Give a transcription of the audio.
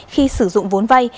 khi sử dụng vốn vay